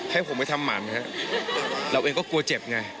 ให้ผมไปทำหมันฮะเราเองก็กลัวเจ็บไง